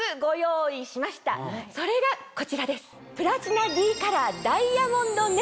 それがこちらです。